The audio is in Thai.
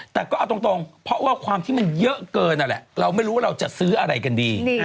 แต่ก็เอาตรงเพราะว่าความที่มันเยอะเกินนั่นแหละเราไม่รู้ว่าเราจะซื้ออะไรกันดี